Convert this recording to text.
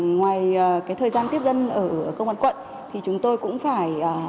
ngoài cái thời gian tiếp dân ở công an quận thì chúng tôi cũng phải